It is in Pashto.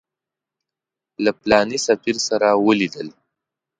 له فلاني سفیر سره ولیدل.